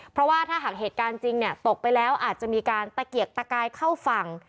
เพราะว่าถ้าหากเหตุการณ์จริงเนี่ยตกไปแล้วอาจจะมีการตะเกียกตะกายเข้าฝั่ง